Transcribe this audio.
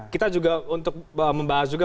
kita juga untuk membahas juga baik baik saja